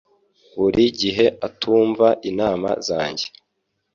Buri gihe atumva inama zanjye.